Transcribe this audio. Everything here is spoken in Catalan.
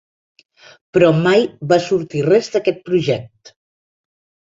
Però mai va sortir res d'aquest project.